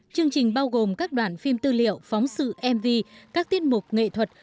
chương trình bao gồm các đoạn phim tư liệu phóng sự mv các tiết mục nghệ thuật